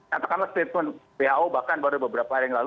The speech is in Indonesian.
katakanlah statement who bahkan baru beberapa hari yang lalu